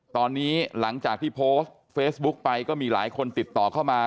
ตอนนี้หลังจากที่โพสต์เฟซบุ๊กไปก็มีหลายคนติดต่อเข้ามา